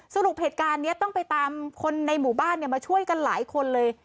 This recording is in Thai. สรุปเหตุการณ์นี้ต้องไปตามคนในหมู่บ้านมาช่วยกันหลายคนเลย